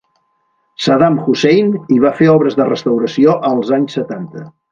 Saddam Hussein hi va fer obres de restauració als anys setanta.